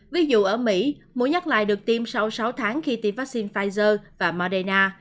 ví dụ ở mỹ mũi nhắc lại được tiêm sau sáu tháng khi tiêm vaccine pfizer và moderna